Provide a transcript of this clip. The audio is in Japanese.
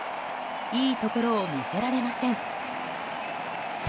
良いところを見せられません。